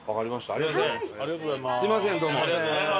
ありがとうございます。